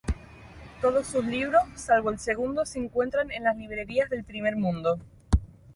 Todos sus libros, salvo el segundo, se encuentran en las librerías del primer mundo.